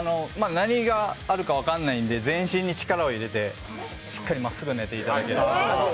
何があるか分かんないんで全身に力を入れてしっかりまっすぐ寝ていただきます。